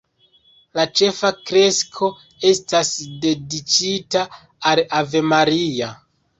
La ĉefa fresko estas dediĉita al Ave Maria.